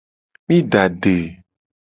Mi da ade.